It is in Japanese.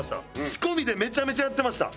仕込みでめちゃめちゃやってました。